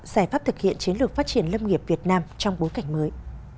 giải pháp thực hiện chiến lược phát triển lâm nghiệp việt nam trong bối cảnh mới